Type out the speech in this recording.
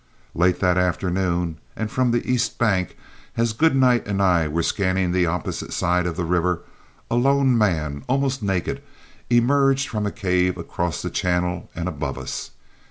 Late that afternoon and from the east bank, as Goodnight and I were scanning the opposite side of the river, a lone man, almost naked, emerged from a cave across the channel and above us.